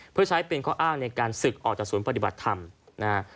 เพื่อใช้เป็นข้ออ้างในการศึกออกจากศูนย์ปฏิบัติธรรมนะฮะ